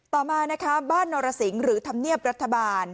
ต่อมานะคะบ้านนรสิงหรือธรรมเนียบรัฐบาล